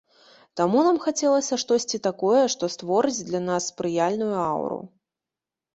Таму нам хацелася штосьці такое, што створыць для нас спрыяльную аўру.